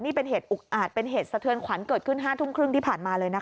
นี่เป็นเหตุอุกอาจเป็นเหตุสะเทือนขวัญเกิดขึ้น๕ทุ่มครึ่งที่ผ่านมาเลยนะคะ